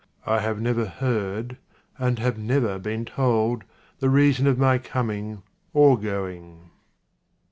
I have never heard, and have never been told, the reason of my coming or going.